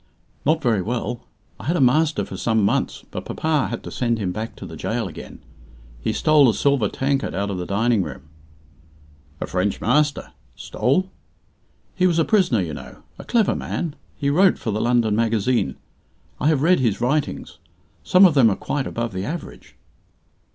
"Not very well. I had a master for some months, but papa had to send him back to the gaol again. He stole a silver tankard out of the dining room." "A French master! Stole " "He was a prisoner, you know. A clever man. He wrote for the London Magazine. I have read his writings. Some of them are quite above the average."